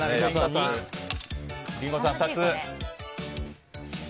リンゴさん、２つ。